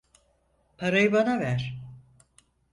Parayı bana ver.